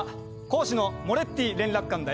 講師のモレッティ連絡官だよ。